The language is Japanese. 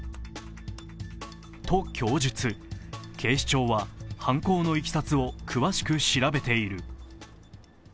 警視庁は犯行のいきさつを詳しく調べている。